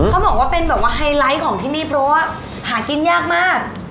เขาบอกว่าเป็นแบบว่าไฮไลท์ของที่นี่เพราะว่าหากินยากมาก